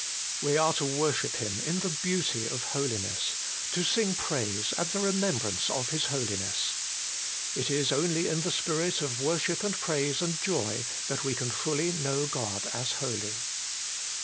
We are to ' worship Him in the beauty of holiness,' ' to sing praise at the remembrance of His Holiness ;' it is only in the spirit of worship and praise and joy that we fully can know God as holy.